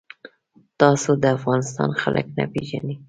تاسو د افغانستان خلک نه پیژنئ.